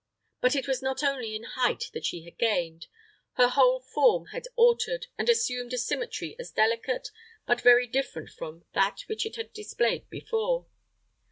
But it was not only in height that she had gained: her whole form had altered, and assumed a symmetry as delicate, but very different from that which it had displayed before.